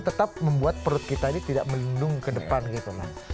tetap membuat perut kita ini tidak melindungi ke depan gitu